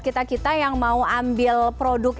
kita kita yang mau ambil produk